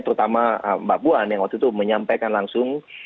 terutama mbak puan yang waktu itu menyampaikan langsung